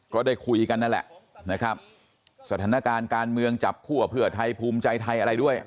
ก็ได้คุยกันนั่นแหละนะครับสถานการณ์การเมืองจับคั่วเพื่อไทยภูมิใจไทยอะไรด้วย